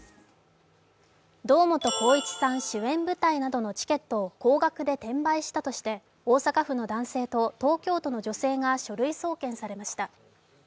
堂本光一さん主演舞台などのチケットを高額で転売したなどとして大阪府の男性と東京都の女性が書類送検されました。